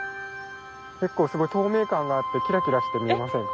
結構透明感があってキラキラして見えませんか？